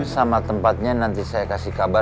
sama orangnya gak ada